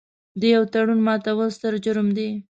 د یوه تړون ماتول ستر جرم دی.